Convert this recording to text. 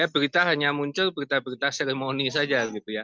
berita hanya muncul berita berita seremoni saja